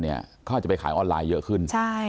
เขาอาจจะไปขายออนไลน์เยอะขึ้น